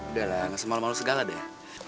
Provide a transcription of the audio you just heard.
udahlah nggak semalemalu segala deh